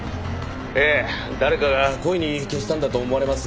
ええ誰かが故意に消したんだと思われます。